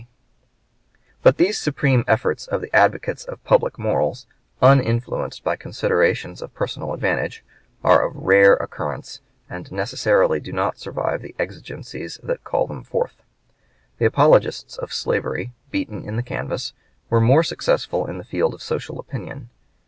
] But these supreme efforts of the advocates of public morals, uninfluenced by considerations of personal advantage, are of rare occurrence, and necessarily do not survive the exigencies that call them forth. The apologists of slavery, beaten in the canvass, were more successful in the field of social opinion.